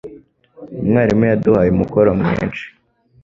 Umwarimu yaduhaye umukoro mwinshi.